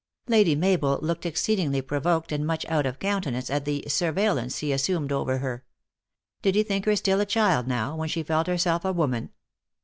Lady Mabel looked exceedingly provoked and much out of countenance at the surveillance he assumed over her. Did he think her still a child now, when she felt herself a woman